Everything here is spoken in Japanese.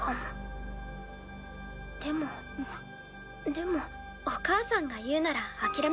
でもお母さんが言うなら諦めます。